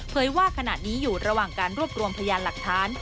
ว่าขณะนี้อยู่ระหว่างการรวบรวมพยานหลักฐาน